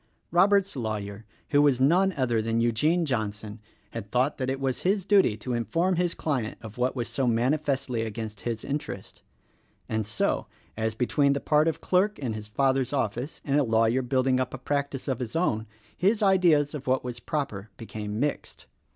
Robert's lawyer — who was none other than Eugene Johnson— had thought that it was his duty to inform his client of what was so manifestly against his interest and so, as between the part of clerk in his father's office and a lawyer building up a practice of his own, his ideas of what was proper became mixed.